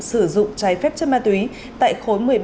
sử dụng trái phép chất ma túy tại khối một mươi ba